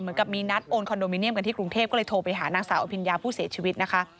เหมือนกับมีนัดโอนคอนโดมิเนียมกันที่กรุงเทพก็เลยโทรไปหานางสาวอภิญญาผู้เสียชีวิตนะคะ